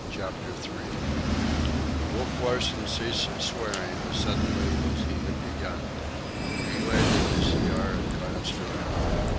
CHAPTER III Wolf Larsen ceased swearing as suddenly as he had begun. He relighted his cigar and glanced around.